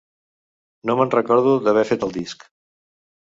Ni me'n recordo d'haver fet el disc.